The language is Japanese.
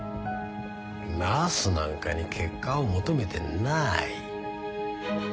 ナースなんかに結果を求めてない。